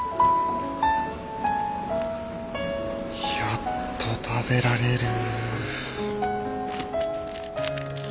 やっと食べられる。